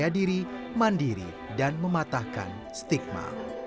dan mematahkan stigma